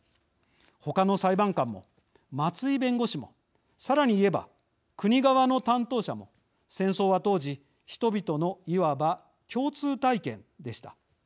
他の裁判官も、松井弁護士もさらに言えば、国側の担当者も戦争は当時、人々のいわば、共通体験でした。